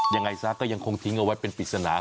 ยังไงซะก็ยังคงทิ้งเอาไว้เป็นปริศนา